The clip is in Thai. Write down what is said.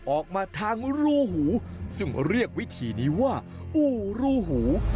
ออกมาทางรูหูซึ่งเรียกวิธีนี้ว่าอู่รูหู